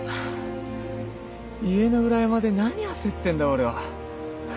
家の裏山で何焦ってんだ俺は。